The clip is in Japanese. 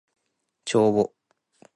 帳簿